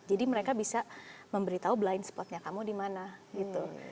jadi mereka bisa memberitahu blind spotnya kamu di mana gitu